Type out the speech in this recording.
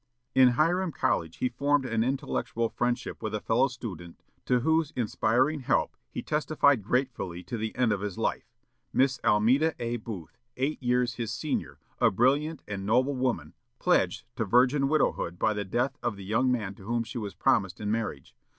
In Hiram College he formed an intellectual friendship with a fellow student to whose inspiring help he testified gratefully to the end of his life; Miss Almeda A. Booth, eight years his senior, a brilliant and noble woman, pledged to "virgin widowhood" by the death of the young man to whom she was promised in marriage.